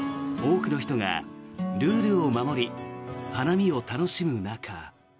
多くの人がルールを守り花見を楽しむ中。